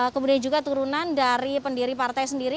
kemudian juga turunan dari pendiri partai sendiri